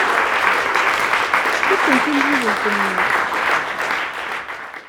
Fuken timsizzelt-nni.